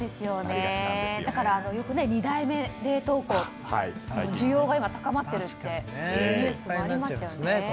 だから、よく２台目冷凍庫の需要が今、高まってるってニュースもありましたよね。